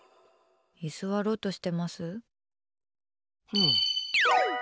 居座ろうとしてます？